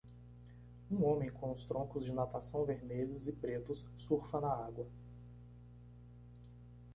Um homem com os troncos de natação vermelhos e pretos surfa na água.